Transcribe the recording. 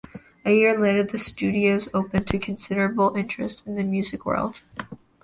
A year later, the studios opened to considerable interest in the music world.